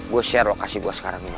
gue share lokasi gue sekarang ini